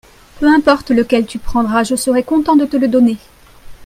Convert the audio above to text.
Peu importe lequel tu prendras je serai content de te le donner.